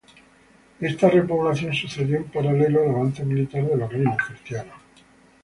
Esta repoblación sucedió en paralelo al avance militar de los reinos cristianos.